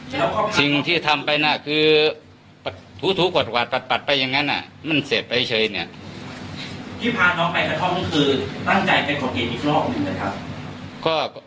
ไปเฉยเนี่ยที่พาน้องไปกระท่อมนึงคือตั้งใจเป็นขนเกณฑ์อีกรอบนึง